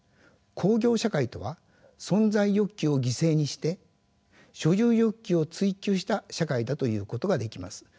工業社会とは存在欲求を犠牲にして所有欲求を追求した社会だと言うことができます。